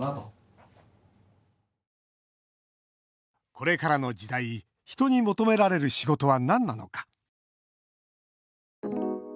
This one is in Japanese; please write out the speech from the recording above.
これからの時代人に求められる仕事は何なのか。